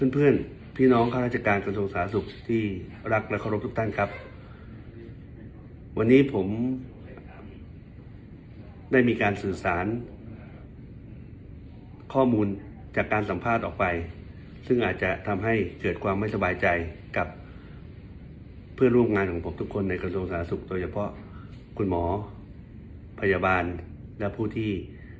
เพื่อนพี่น้องข้าราชการกระทรวงสาธารณสุขที่รักและเคารพทุกท่านครับวันนี้ผมได้มีการสื่อสารข้อมูลจากการสัมภาษณ์ออกไปซึ่งอาจจะทำให้เกิดความไม่สบายใจกับเพื่อนร่วมงานของผมทุกคนในกระทรวงสาธารณสุขโดยเฉพาะคุณหมอพยาบาลและผู้ที่